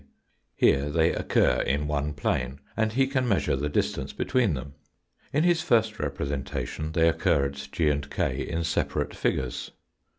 Here they occur in one plane and he can measure the distance between them. In his first representation they occur at G and K in separate figures.